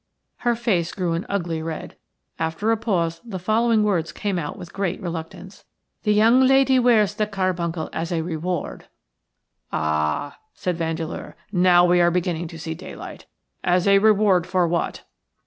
Her face grew an ugly red. After a pause the following words came out with great reluctance:– "The young lady wears the carbuncle as a reward." "Ah," said Vandeleur, "now we are beginning to see daylight. As a reward for what?"